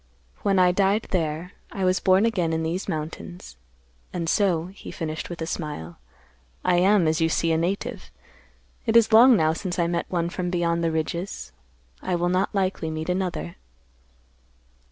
When I died there, I was born again in these mountains. And so," he finished with a smile, "I am, as you see, a native. It is long now since I met one from beyond the ridges. I will not likely meet another."